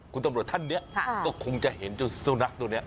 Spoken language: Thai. คุณตำรวจท่านเนี้ยค่ะก็คงจะเห็นเจ้าเจ้านักตัวเนี้ย